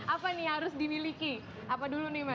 apa nih yang harus dimiliki apa dulu nih mbak